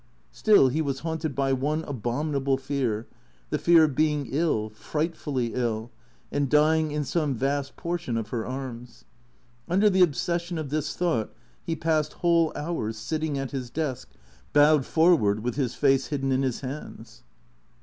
Still he was haunted by one abominable fear, the fear of being ill, frightfully ill, and dying in some vast portion of her arms. Under the obsession of this thought he passed whole hours sitting at his desk, bowed forward, with his face hidden in his hands.